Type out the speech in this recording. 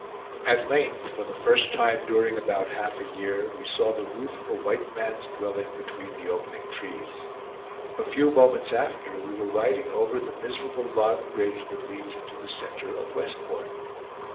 At length, for the first time during about half a year, we saw the roof of a white man's dwelling between the opening trees. A few moments after we were riding over the miserable log bridge that leads into the center of Westport.